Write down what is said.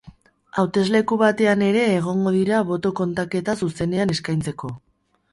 Hautesleku batean ere egongo dira boto kontaketa zuzenean eskaintzeko.